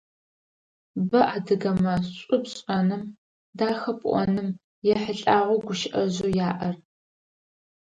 Бэ адыгэмэ шӏу пшӏэным, дахэ пӏоным ехьылӏагъэу гущыӏэжъэу яӏэр.